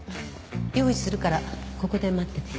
用意するからここで待ってて。